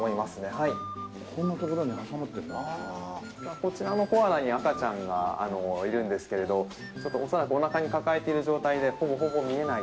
こちらのコアラに赤ちゃんがいるんですけれどちょっと恐らくおなかに抱えている状態でほぼほぼ見えない。